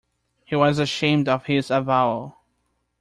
He was ashamed of this avowal.